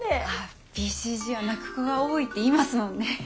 ＢＣＧは泣く子が多いって言いますもんね。